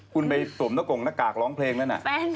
คุณไปสวมตะกรงหน้ากากร้องเพลงแล้วนะ